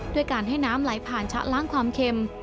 ด้วยการให้น้ำไหลผ่านชะล้างความเค็ม